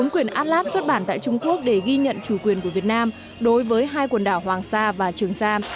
quyền atlas xuất bản tại trung quốc để ghi nhận chủ quyền của việt nam đối với hai quần đảo hoàng sa và trường sa